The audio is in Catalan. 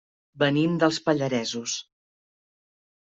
Venim dels Pallaresos.